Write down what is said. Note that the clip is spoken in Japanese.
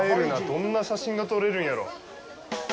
どんな写真が撮れるんやろう。